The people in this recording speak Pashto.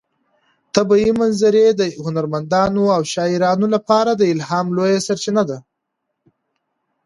طبیعي منظرې د هنرمندانو او شاعرانو لپاره د الهام لویه سرچینه ده.